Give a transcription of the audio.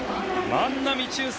万波中正。